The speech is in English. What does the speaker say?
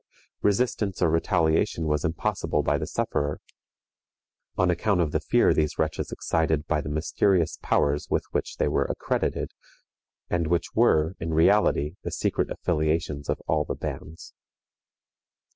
Resistance or retaliation was impossible by the sufferer, on account of the fear these wretches excited by the mysterious powers with which they were accredited, and which were, in reality, the secret affiliations of all the bands.